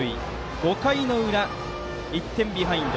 ５回の裏、１点ビハインド。